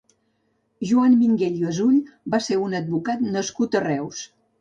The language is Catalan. Joan Minguell Gasull va ser un advocat nascut a Reus.